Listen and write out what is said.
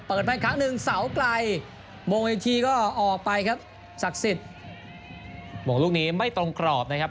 เปิดไปครั้งนึงเสาไกรมงอิจชีก็ออกไปครับศักดิ์ศิริมงลูกนี้ไม่ตรงทองกรอบนะครับ